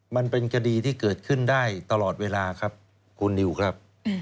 มันเป็นคดีที่เกิดขึ้นได้ตลอดเวลาครับคุณนิวครับ